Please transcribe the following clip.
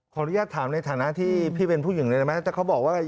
ขออนุญาตถามในฐานะที่พี่เป็นผู้หญิงเลยได้ไหมแต่เขาบอกว่า